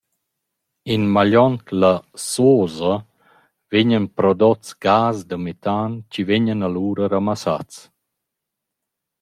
In magliond la «sosa» vegnan prodots gas da metan chi vegnan alura ramassats.